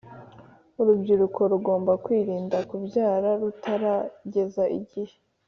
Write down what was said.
Urubyiruko rugomba kwirinda kubyara rutarageza igihe